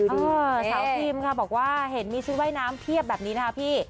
สาวพิมค่ะบอกว่าเห็นมีชุดว่ายน้ำเพียบแบบนี้นะคะพี่